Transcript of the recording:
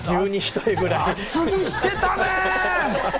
厚着してたね！